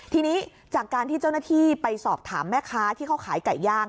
ทีนี้จากการที่เจ้าหน้าที่ไปสอบถามแม่ค้าที่เขาขายไก่ย่าง